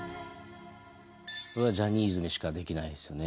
これはジャニーズにしかできないですよね